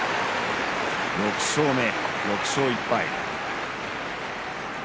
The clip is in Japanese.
６勝目、６勝１敗。